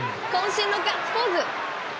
渾身のガッツポーズ！